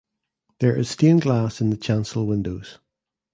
There is stained glass in the chancel windows.